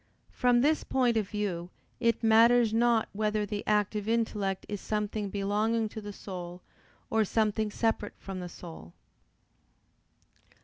From this point of view it matters not whether the active intellect is something belonging to the soul, or something separate from the soul.